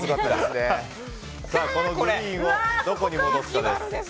このグリーンをどこに戻すかです。